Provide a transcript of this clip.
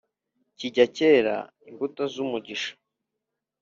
kijya cyera imbuto z’umugisha